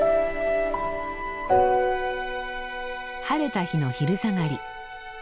晴れた日の昼下がり。